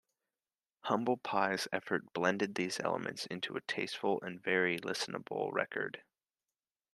Humble Pie's effort blended these elements into a tasteful, and very listenable, record.